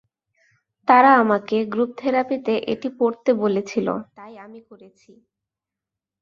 তারা আমাকে গ্রুপ থেরাপিতে এটি পড়তে বলেছিল, তাই আমি করেছি।